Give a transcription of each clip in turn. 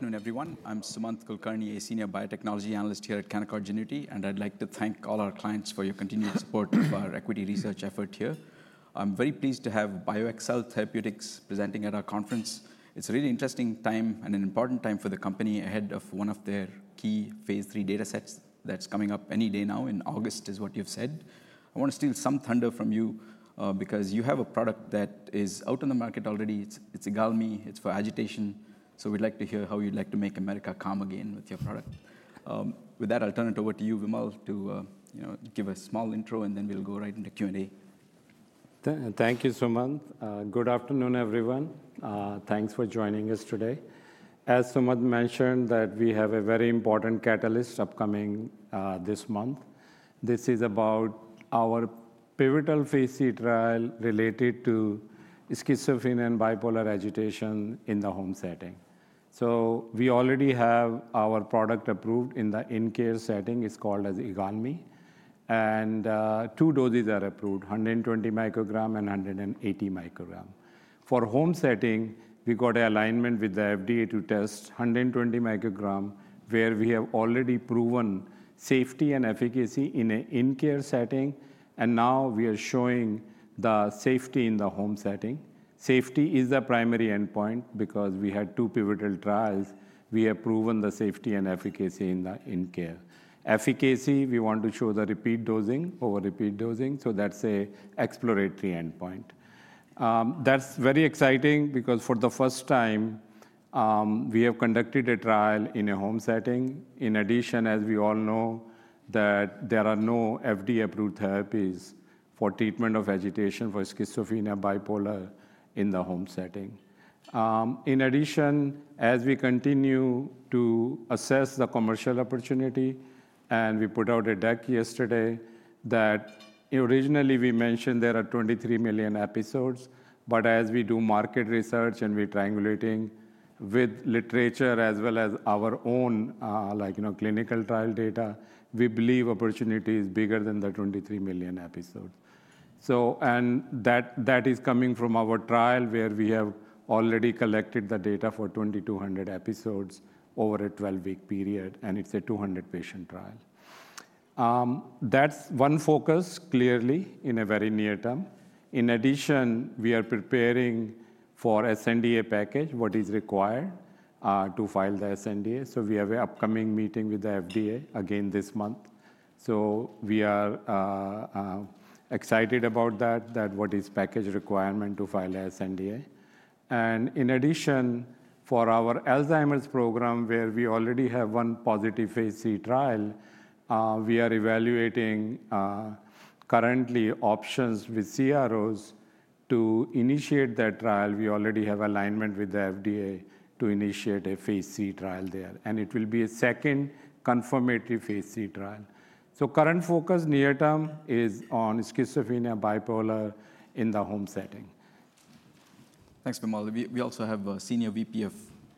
Good afternoon, everyone. I'm Sumanth Kulkarni, a Senior Biotechnology Analyst here at Canaccord Genuity. I'd like to thank all our clients for your continued support of our equity research effort here. I'm very pleased to have BioXcel Therapeutics presenting at our conference. It's a really interesting time and an important time for the company ahead of one of their key Phase III data sets that's coming up any day now in August, is what you've said. I want to steal some thunder from you, because you have a product that is out on the market already. It's IGALMI. It's for agitation. We'd like to hear how you'd like to make America calm again with your product. With that, I'll turn it over to you, Vimal, to give a small intro, and then we'll go right into Q&A. Thank you, Sumanth. Good afternoon, everyone. Thanks for joining us today. As Sumanth mentioned, we have a very important catalyst upcoming this month. This is about our pivotal Phase 3 trial related to schizophrenia and bipolar agitation in the home setting. We already have our product approved in the in-care setting. It's called IGALMI, and two doses are approved, 120 mcg and 180 mcg. For the home setting, we got an alignment with the FDA to test 120 mcg, where we have already proven safety and efficacy in an in-care setting. Now we are showing the safety in the home setting. Safety is the primary endpoint because we had two pivotal trials. We have proven the safety and efficacy in the in-care. Efficacy, we want to show the repeat dosing over repeat dosing. That's an exploratory endpoint. That's very exciting because for the first time, we have conducted a trial in a home setting. In addition, as we all know, there are no FDA-approved therapies for treatment of agitation for schizophrenia and bipolar in the home setting. As we continue to assess the commercial opportunity, we put out a deck yesterday that originally we mentioned there are 23 million episodes. As we do market research and we're triangulating with literature as well as our own clinical trial data, we believe opportunity is bigger than the 23 million episodes. That is coming from our trial where we have already collected the data for 2,200 episodes over a 12-week period, and it's a 200-patient trial. That's one focus clearly in a very near term. In addition, we are preparing for a SNDA package, what is required to file the SNDA. We have an upcoming meeting with the FDA again this month. We are excited about that, what is the package requirement to file an SNDA. In addition, for our Alzheimer's program, where we already have one positive Phase III trial, we are evaluating currently options with CROs to initiate that trial. We already have alignment with the FDA to initiate a Phase III trial there, and it will be a second confirmatory Phase III trial. Current focus near term is on schizophrenia and bipolar in the home setting. Thanks, Vimal. We also have a Senior VP of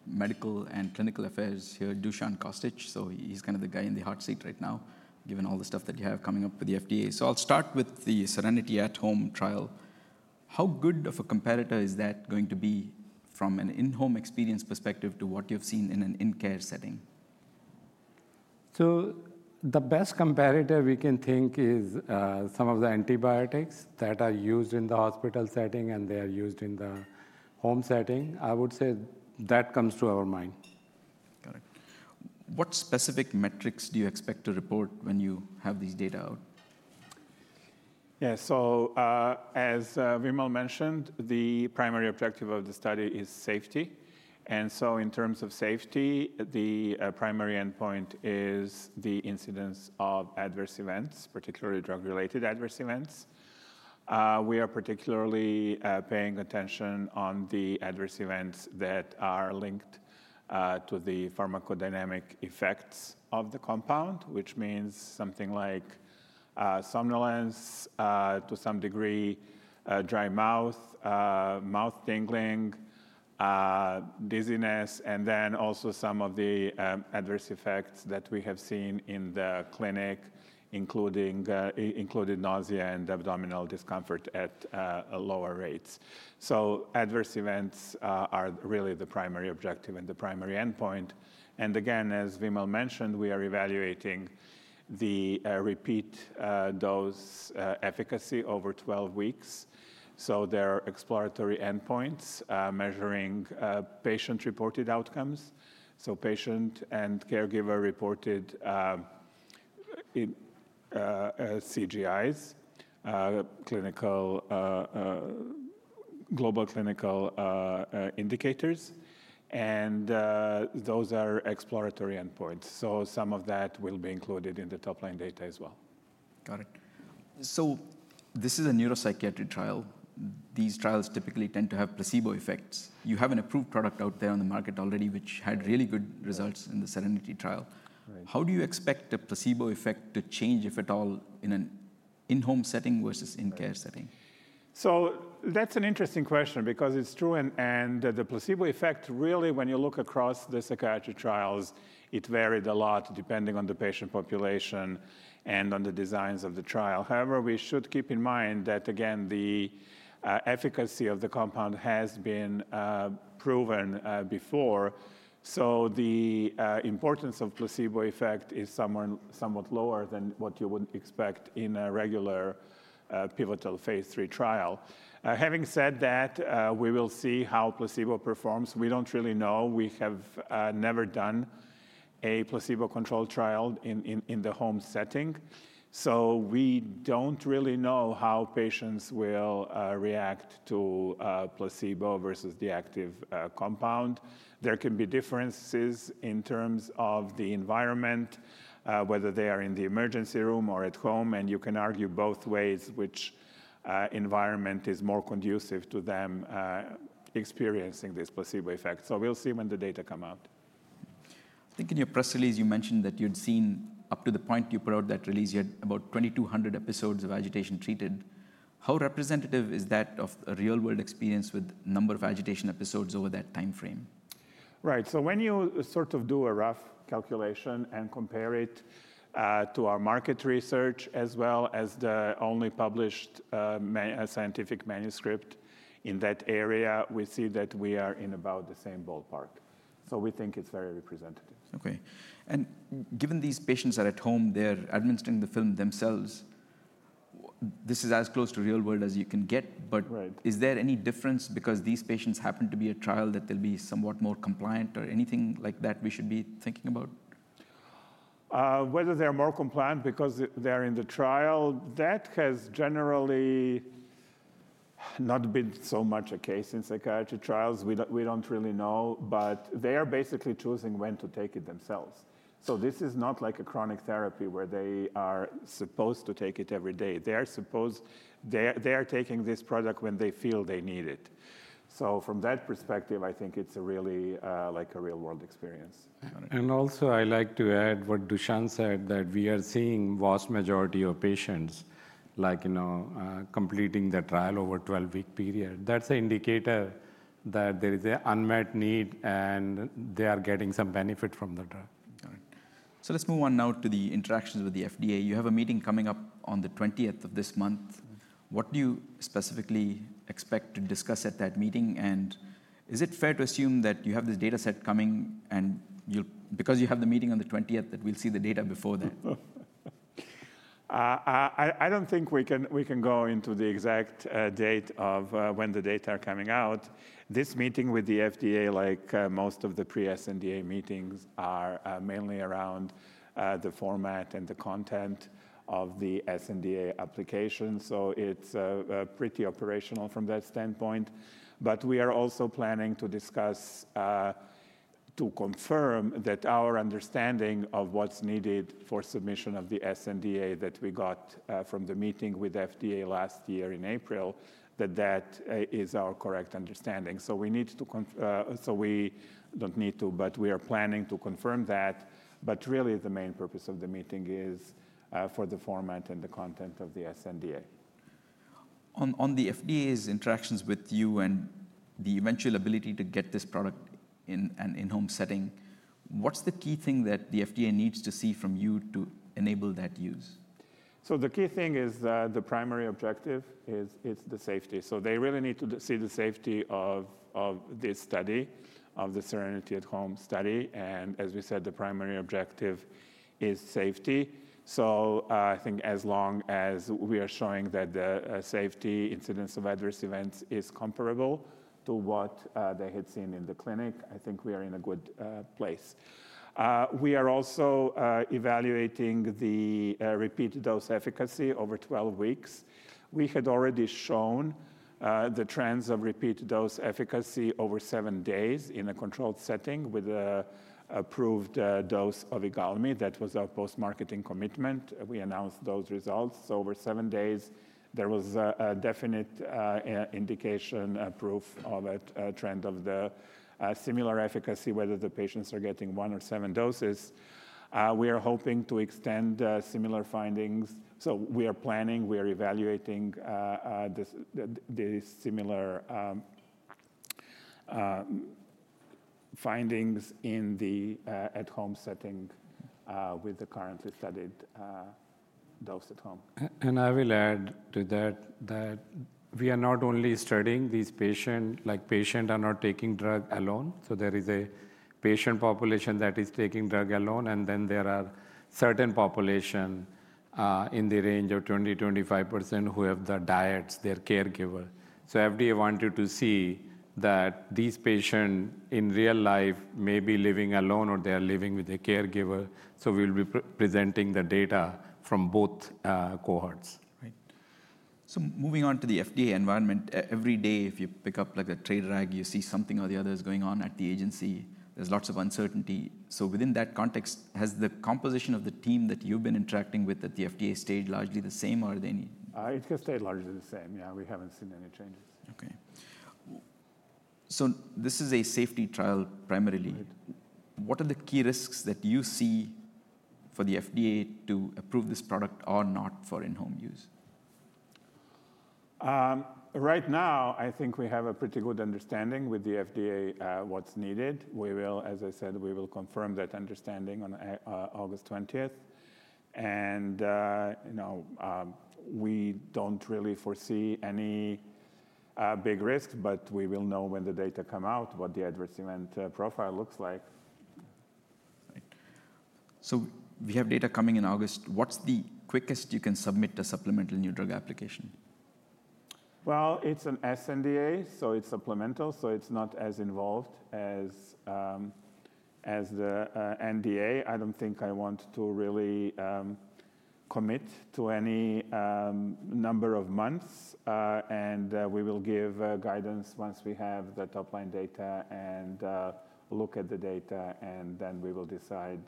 Medical and Clinical Affairs here, Dusan Kostic. He's kind of the guy in the hot seat right now, given all the stuff that you have coming up with the FDA. I'll start with the SERENITY At-Home trial. How good of a competitor is that going to be from an in-home experience perspective to what you've seen in an in-care setting? The best competitor we can think is some of the antibiotics that are used in the hospital setting, and they are used in the home setting. I would say that comes to our mind. Got it. What specific metrics do you expect to report when you have these data out? Yeah, as Vimal mentioned, the primary objective of the study is safety. In terms of safety, the primary endpoint is the incidence of adverse events, particularly drug-related adverse events. We are particularly paying attention to the adverse events that are linked to the pharmacodynamic effects of the compound, which means something like somnolence, to some degree, dry mouth, mouth tingling, dizziness, and also some of the adverse effects that we have seen in the clinic, including nausea and abdominal discomfort at lower rates. Adverse events are really the primary objective and the primary endpoint. Again, as Vimal mentioned, we are evaluating the repeat dose efficacy over 12 weeks. There are exploratory endpoints measuring patient-reported outcomes, so patient and caregiver-reported CGIs, global clinical indicators. Those are exploratory endpoints. Some of that will be included in the top-line data as well. This is a neuropsychiatric trial. These trials typically tend to have placebo effects. You have an approved product out there on the market already, which had really good results in the SERENITY trial. How do you expect the placebo effect to change, if at all, in an in-home setting versus in-care setting? That's an interesting question because it's true. The placebo effect, really, when you look across the psychiatric trials, varied a lot depending on the patient population and on the designs of the trial. However, we should keep in mind that, again, the efficacy of the compound has been proven before. The importance of the placebo effect is somewhat lower than what you would expect in a regular pivotal Phase III trial. Having said that, we will see how placebo performs. We don't really know. We have never done a placebo-controlled trial in the home setting, so we don't really know how patients will react to placebo versus the active compound. There can be differences in terms of the environment, whether they are in the emergency room or at home, and you can argue both ways which environment is more conducive to them experiencing this placebo effect. We'll see when the data come out. I think in your press release, you mentioned that you'd seen, up to the point you put out that release, you had about 2,200 episodes of agitation treated. How representative is that of the real-world experience with the number of agitation episodes over that time frame? Right. When you sort of do a rough calculation and compare it to our market research, as well as the only published scientific manuscript in that area, we see that we are in about the same ballpark. We think it's very representative. OK. Given these patients are at home, they're administering the film themselves. This is as close to real-world as you can get. Is there any difference because these patients happen to be in a trial that they'll be somewhat more compliant or anything like that we should be thinking about? Whether they're more compliant because they're in the trial, that has generally not been so much a case in psychiatric trials. We don't really know. They are basically choosing when to take it themselves. This is not like a chronic therapy where they are supposed to take it every day. They are taking this product when they feel they need it. From that perspective, I think it's really like a real-world experience. I'd like to add what Dusan said, that we are seeing a vast majority of patients completing the trial over a 12-week period. That's an indicator that there is an unmet need and they are getting some benefit from the trial. Got it. Let's move on now to the interactions with the FDA. You have a meeting coming up on the 20th of this month. What do you specifically expect to discuss at that meeting? Is it fair to assume that you have this data set coming, and because you have the meeting on the 20th, that we'll see the data before then? I don't think we can go into the exact date of when the data are coming out. This meeting with the FDA, like most of the pre-SNDA meetings, is mainly around the format and the content of the SNDA application. It's pretty operational from that standpoint. We are also planning to discuss, to confirm that our understanding of what's needed for submission of the SNDA that we got from the meeting with the FDA last year in April, that that is our correct understanding. We are planning to confirm that. The main purpose of the meeting is for the format and the content of the SNDA. On the FDA's interactions with you and the eventual ability to get this product in an in-home setting, what's the key thing that the FDA needs to see from you to enable that use? The key thing is the primary objective is the safety. They really need to see the safety of this study, of the SERENITY At-Home trial. As we said, the primary objective is safety. I think as long as we are showing that the safety, incidence of adverse events is comparable to what they had seen in the clinic, I think we are in a good place. We are also evaluating the repeat-dose efficacy over 12 weeks. We had already shown the trends of repeat-dose efficacy over seven days in a controlled setting with the approved dose of IGALMI. That was our post-marketing commitment. We announced those results. Over seven days, there was a definite indication, proof of a trend of the similar efficacy, whether the patients are getting one or seven doses. We are hoping to extend similar findings. We are evaluating these similar findings in the at-home setting with the currently studied dose at home. I will add to that that we are not only studying these patients. Patients are not taking drugs alone. There is a patient population that is taking drugs alone. There are certain populations in the range of 20%-25% who have their diets, their caregiver. FDA wanted to see that these patients in real life may be living alone or they are living with a caregiver. We will be presenting the data from both cohorts. Right. Moving on to the FDA environment, every day, if you pick up like a trade rag, you see something or the other is going on at the agency. There's lots of uncertainty. Within that context, has the composition of the team that you've been interacting with at the FDA stayed largely the same, or are there any? It has stayed largely the same. We haven't seen any changes. OK. This is a safety trial primarily. What are the key risks that you see for the FDA to approve this product or not for in-home use? Right now, I think we have a pretty good understanding with the FDA what's needed. We will, as I said, confirm that understanding on August 20. We don't really foresee any big risk. We will know when the data come out, what the adverse event profile looks like. We have data coming in August. What's the quickest you can submit a supplemental new drug application? It's an SNDA. It's supplemental, so it's not as involved as the NDA. I don't think I want to really commit to any number of months. We will give guidance once we have the top-line data and look at the data, and then we will decide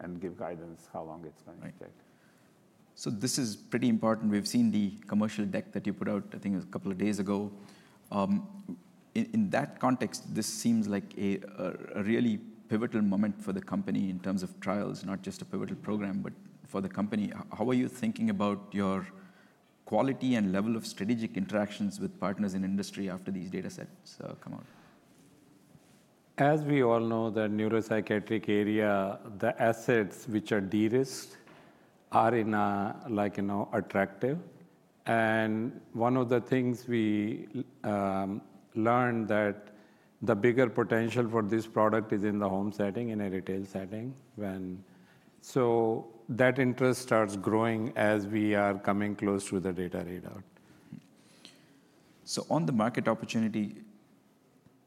and give guidance how long it's going to take. This is pretty important. We've seen the commercial deck that you put out, I think, a couple of days ago. In that context, this seems like a really pivotal moment for the company in terms of trials, not just a pivotal program, but for the company. How are you thinking about your quality and level of strategic interactions with partners in industry after these data sets come out? As we all know, the neuropsychiatric area, the assets which are de-risked are, like, you know, attractive. One of the things we learned is that the bigger potential for this product is in the home setting, in a retail setting. That interest starts growing as we are coming close to the data readout. On the market opportunity,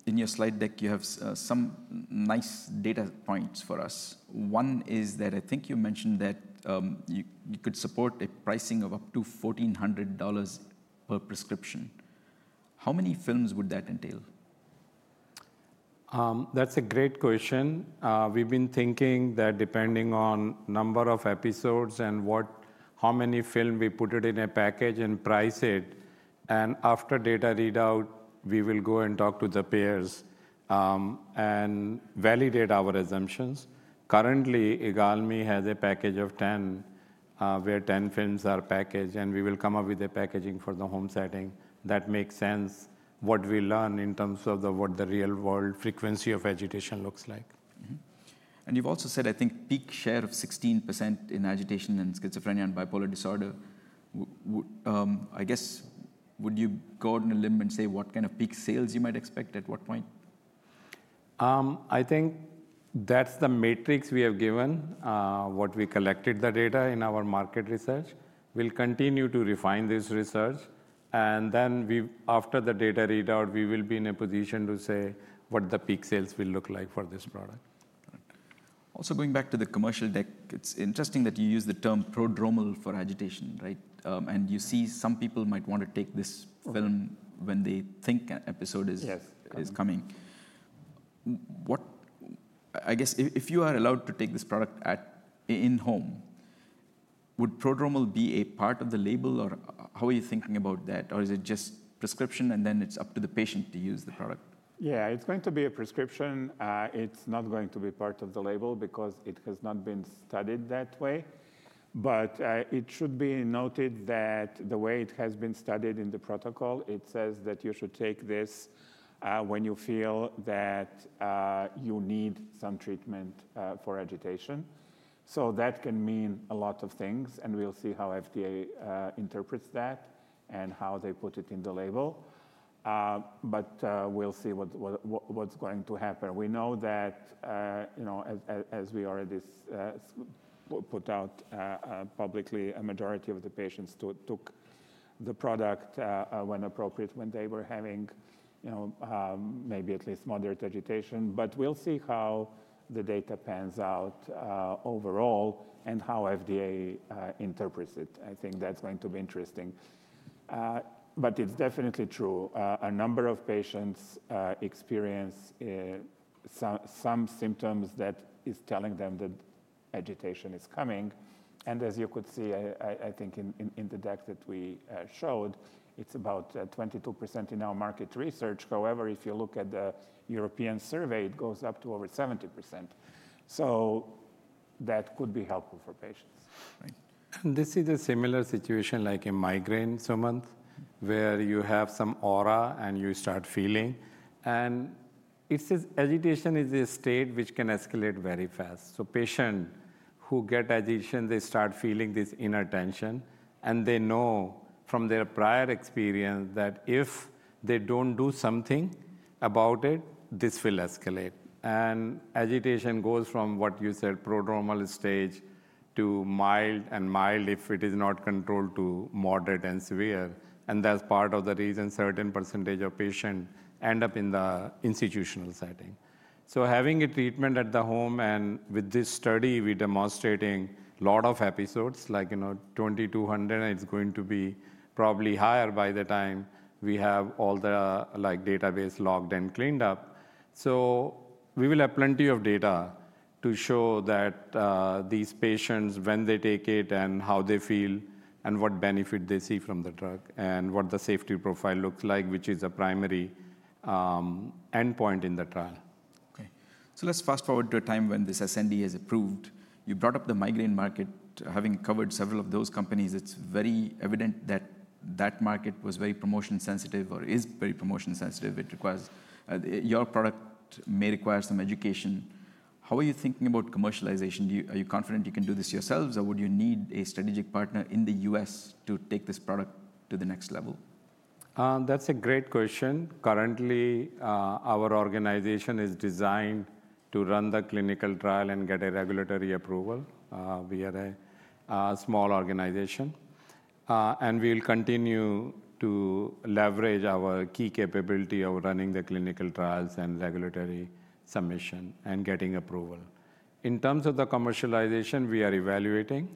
in your slide deck, you have some nice data points for us. One is that I think you mentioned that you could support a pricing of up to $1,400 per prescription. How many films would that entail? That's a great question. We've been thinking that depending on the number of episodes and how many films we put in a package and price it. After data readout, we will go and talk to the payers and validate our assumptions. Currently, IGALMI has a package of 10, where 10 films are packaged. We will come up with a packaging for the home setting that makes sense with what we learn in terms of what the real-world frequency of agitation looks like. You've also said, I think, peak share of 16% in agitation in schizophrenia and bipolar disorder. I guess, would you go out on a limb and say what kind of peak sales you might expect at what point? I think that's the matrix we have given, what we collected, the data in our market research. We'll continue to refine this research. After the data readout, we will be in a position to say what the peak sales will look like for this product. Also, going back to the commercial deck, it's interesting that you use the term prodromal for agitation, right? You see some people might want to take this film when they think an episode is coming. I guess if you are allowed to take this product in-home, would prodromal be a part of the label? How are you thinking about that? Is it just prescription, and then it's up to the patient to use the product? Yeah, it's going to be a prescription. It's not going to be part of the label because it has not been studied that way. It should be noted that the way it has been studied in the protocol, it says that you should take this when you feel that you need some treatment for agitation. That can mean a lot of things. We'll see how FDA interprets that and how they put it in the label. We'll see what's going to happen. We know that, as we already put out publicly, a majority of the patients took the product when appropriate, when they were having maybe at least moderate agitation. We'll see how the data pans out overall and how FDA interprets it. I think that's going to be interesting. It's definitely true. A number of patients experience some symptoms that are telling them that agitation is coming. As you could see, I think in the deck that we showed, it's about 22% in our market research. However, if you look at the European survey, it goes up to over 70%. That could be helpful for patients. Right. This is a similar situation like a migraine, Sumanth, where you have some aura and you start feeling. This agitation is a state which can escalate very fast. Patients who get agitation start feeling this inner tension, and they know from their prior experience that if they don't do something about it, this will escalate. Agitation goes from what you said, prodromal stage, to mild, and if it is not controlled, to moderate and severe. That's part of the reason a certain % of patients end up in the institutional setting. Having a treatment at the home and with this study, we're demonstrating a lot of episodes, like, you know, 2,200. It's going to be probably higher by the time we have all the database logged and cleaned up. We will have plenty of data to show that these patients, when they take it and how they feel and what benefit they see from the drug and what the safety profile looks like, which is a primary endpoint in the trial. OK. Let's fast forward to a time when this SNDA is approved. You brought up the migraine market. Having covered several of those companies, it's very evident that that market was very promotion-sensitive or is very promotion-sensitive. Your product may require some education. How are you thinking about commercialization? Are you confident you can do this yourselves? Would you need a strategic partner in the U.S. to take this product to the next level? That's a great question. Currently, our organization is designed to run the clinical trial and get a regulatory approval. We are a small organization, and we'll continue to leverage our key capability of running the clinical trials and regulatory submission and getting approval. In terms of the commercialization, we are evaluating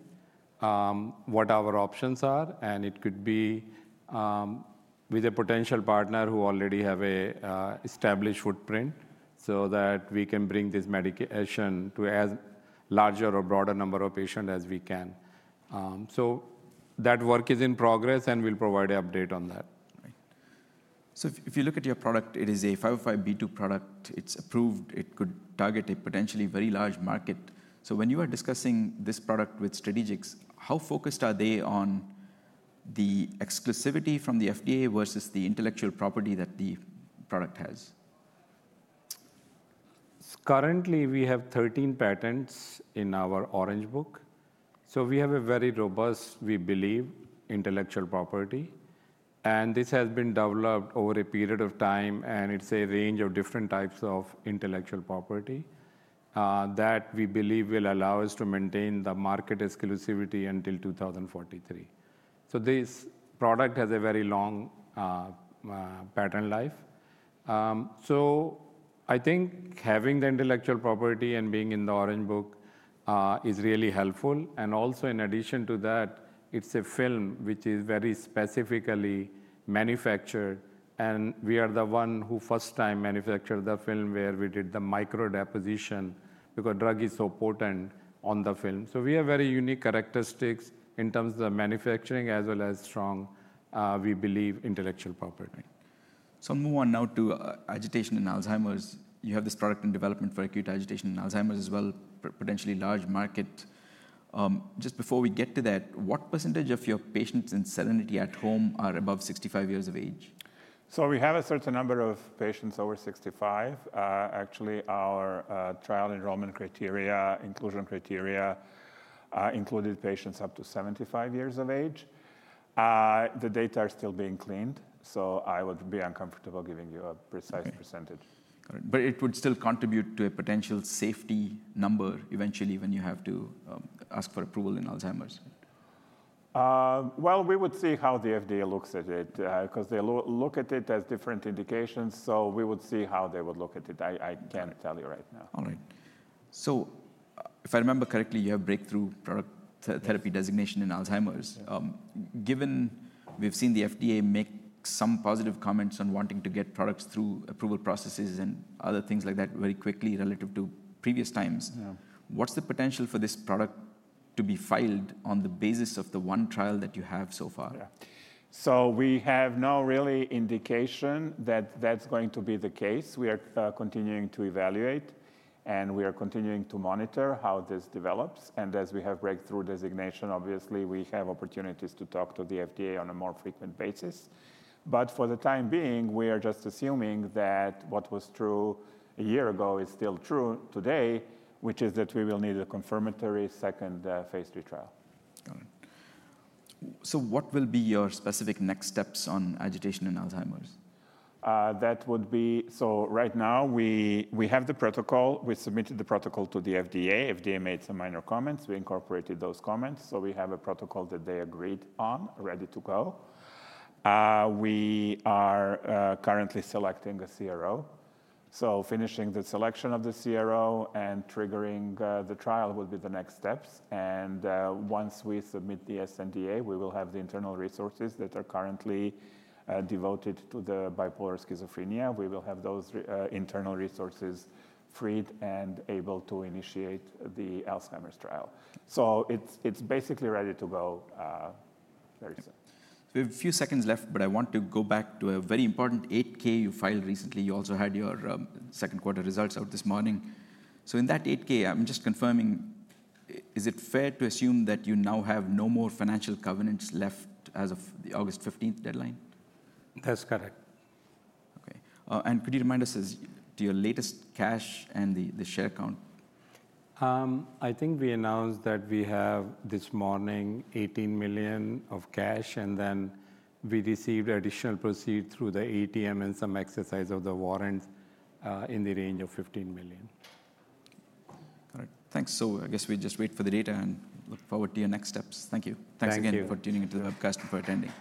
what our options are. It could be with a potential partner who already has an established footprint so that we can bring this medication to as large or a broader number of patients as we can. That work is in progress, and we'll provide an update on that. Right. If you look at your product, it is a 505(b)(2) product. It's approved. It could target a potentially very large market. When you are discussing this product with Strategix, how focused are they on the exclusivity from the FDA versus the intellectual property that the product has? Currently, we have 13 patents in our Orange Book. We have a very robust, we believe, intellectual property. This has been developed over a period of time. It's a range of different types of intellectual property that we believe will allow us to maintain the market exclusivity until 2043. This product has a very long patent life. I think having the intellectual property and being in the Orange Book is really helpful. In addition to that, it's a film which is very specifically manufactured. We are the ones who first time manufactured the film where we did the microdeposition because the drug is so potent on the film. We have very unique characteristics in terms of manufacturing as well as strong, we believe, intellectual property. I'll move on now to agitation and Alzheimer's. You have this product in development for acute agitation and Alzheimer's as well, potentially large market. Just before we get to that, what % of your patients in the SERENITY At-Home trial are above 65 years of age? We have a certain number of patients over 65. Actually, our trial enrollment criteria, inclusion criteria, included patients up to 75 years of age. The data is still being cleaned. I would be uncomfortable giving you a precise %. It would still contribute to a potential safety number eventually when you have to ask for approval in Alzheimer's. We would see how the FDA looks at it because they look at it as different indications. We would see how they would look at it. I can't tell you right now. All right. If I remember correctly, you have breakthrough product therapy designation in Alzheimer's. Given we've seen the FDA make some positive comments on wanting to get products through approval processes and other things like that very quickly relative to previous times, what's the potential for this product to be filed on the basis of the one trial that you have so far? We have no real indication that that's going to be the case. We are continuing to evaluate, and we are continuing to monitor how this develops. As we have breakthrough designation, obviously, we have opportunities to talk to the FDA on a more frequent basis. For the time being, we are just assuming that what was true a year ago is still true today, which is that we will need a confirmatory second Phase III trial. What will be your specific next steps on agitation and Alzheimer's? Right now, we have the protocol. We submitted the protocol to the FDA. The FDA made some minor comments. We incorporated those comments. We have a protocol that they agreed on, ready to go. We are currently selecting a CRO. Finishing the selection of the CRO and triggering the trial will be the next steps. Once we submit the SNDA, we will have the internal resources that are currently devoted to the bipolar schizophrenia. We will have those internal resources freed and able to initiate the Alzheimer's trial. It's basically ready to go very soon. We have a few seconds left, but I want to go back to a very important 8-K you filed recently. You also had your second quarter results out this morning. In that 8-K, I'm just confirming, is it fair to assume that you now have no more financial covenants left as of the August 15 deadline? That's correct. OK. Could you remind us of your latest cash and the share count? I think we announced that we have this morning $18 million of cash. We received additional proceeds through the ATM and some exercise of the warrants in the range of $15 million. Got it. Thanks. I guess we just wait for the data and look forward to your next steps. Thank you. Thank you. Thanks again for tuning into the webcast and for attending.